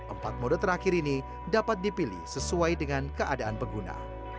empat mode terakhir ini dapat dipilih sesuai dengan keadaan pengguna